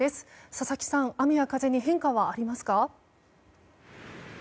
佐々木さん、雨や風に変化はありますか？